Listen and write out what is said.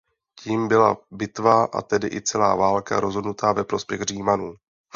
Tím byla bitva a tedy i celá válka rozhodnuta ve prospěch Římanů.